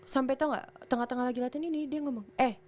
sampai tau gak tengah tengah lagi latihan ini dia ngomong eh